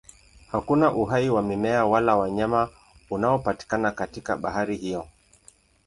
Hakuna uhai wa mimea wala wanyama unaopatikana katika bahari hiyo.